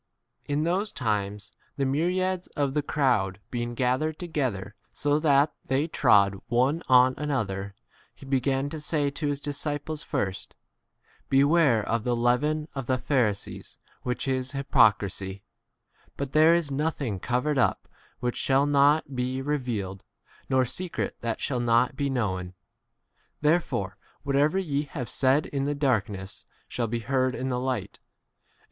In those [times] the myriads of the crowd being gathered to gether, so that they trod one on another, he began to say to his disciples first, 1 Beware of the leaven of the Pharisees, which is 2 hypocrisy : but there is nothing covered up which shall not be re vealed, nor secret that shall not 3 be known ; therefore whatever ye have said in the darkness shall be heard in the light, and what ye h T.